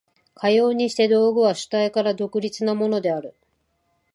かようにして道具は主体から独立なものである。